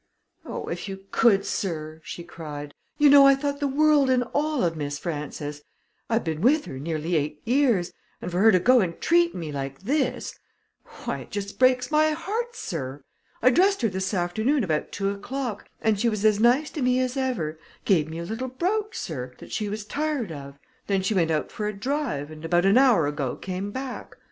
"Oh, if you could, sir!" she cried. "You know, I thought the world and all of Miss Frances. I've been with her nearly eight years, and for her to go and treat me like this why, it just breaks my heart, sir! I dressed her this afternoon about two o'clock, and she was as nice to me as ever gave me a little brooch, sir, that she was tired of. Then she went out for a drive, and about an hour ago came back.